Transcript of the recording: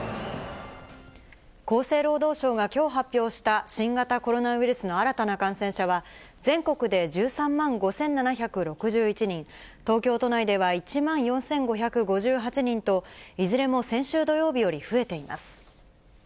厚生労働省が、きょう発表した新型コロナウイルスの新たな感染者は、全国で１３万５７６１人、東京都内では１万４５５８人と、いずれも先週土曜日より増えています。